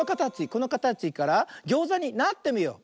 このかたちからギョーザになってみよう。